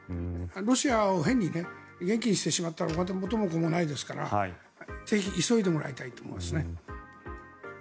ロシアを変に元気にしてしまったら元も子もないですからぜひ、急いでもらいたいと思いますね。